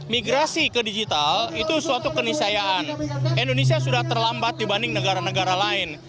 migrasi ke digital itu suatu kenisayaan indonesia sudah terlambat dibanding negara negara lain